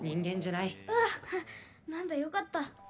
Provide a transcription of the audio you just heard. なんだ、よかった。